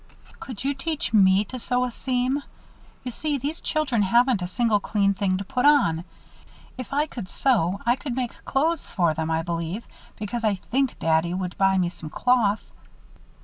"Could you teach me to sew a seam! You see, these children haven't a single clean thing to put on. If I could sew, I could make clothes for them, I believe, because I think Daddy would buy me some cloth."